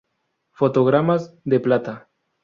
Fotogramas de Plata